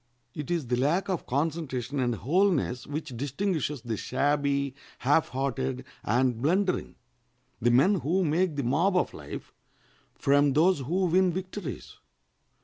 It is the lack of concentration and wholeness which distinguishes the shabby, half hearted, and blundering—the men who make the mob of life—from those who win victories.